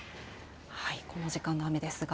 この時間の雨ですが。